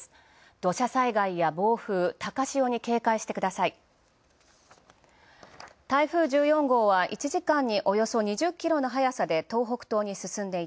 土砂災害や暴風、高潮に警戒してください。